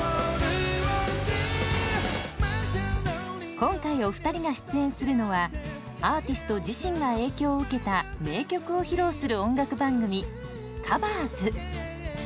今回お二人が出演するのはアーティスト自身が影響を受けた名曲を披露する音楽番組「ｔｈｅＣｏｖｅｒｓ」。